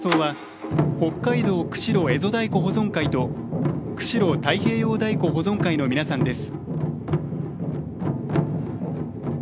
和太鼓の演奏は北海道釧路蝦夷太鼓保存会と釧路太平洋太鼓保存会の皆さんです。